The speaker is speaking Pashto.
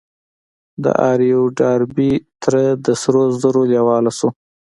د آر يو ډاربي تره د سرو زرو لېواله شو.